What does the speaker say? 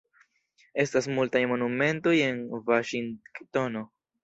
Estas multaj monumentoj en Vaŝingtono.